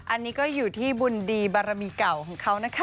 อันนี้ก็อยู่ที่บุญดีบารมีเก่าของเขานะคะ